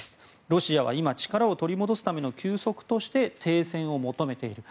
ロシアは今、力を取り戻すための休息として停戦を求めている。